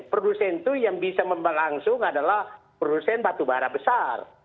produsen itu yang bisa membangsung adalah produsen batubara besar